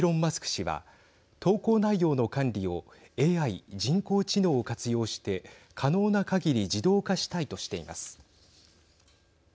氏は投稿内容の管理をＡＩ＝人工知能を活用して可能なかぎり自動化したいとしています。